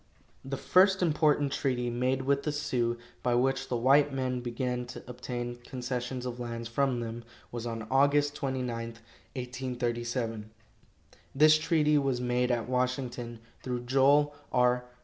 The first important treaty made with the Sioux, by which the white men began to obtain concessions of lands from them, was on Aug. 29, 1837. This treaty was made at Washington, through Joel R.